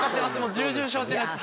重々承知です。